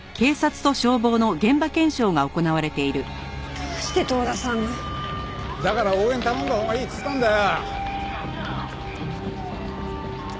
「」「」どうして遠田さんが？だから応援頼んだほうがいいっつったんだよ！